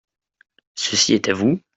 Ceci est à vous ?